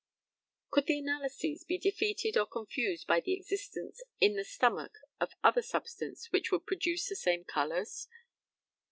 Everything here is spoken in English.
Could the analyses be defeated or confused by the existence in the stomach of any other substance which would produce the same colours?